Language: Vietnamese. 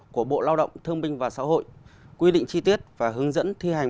của bộ lao động thương binh và xã hội quy định chi tiết và hướng dẫn thi hành